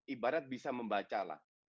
ibarat bisa membacalah